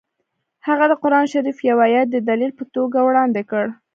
هغه د قران شریف یو ایت د دلیل په توګه وړاندې کړ